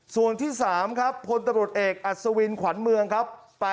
ส่วนที่๓ครับพลตำรวจเอกอัศวินขวัญเมืองครับ